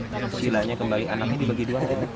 silanya kembali anaknya dibagi dua